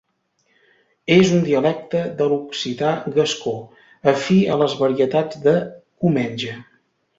És un dialecte de l'occità gascó, afí a les varietats de Comenge.